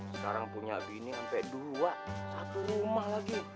sekarang punya bini sampai dua satu rumah lagi